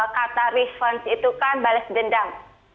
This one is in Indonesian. kata reference itu kan balas dendam